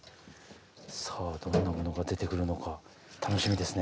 さあどんなものが出てくるのか楽しみですね。